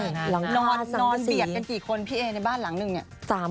นอนเสียดกันกี่คนพี่เอในบ้านหลังหนึ่งเนี่ย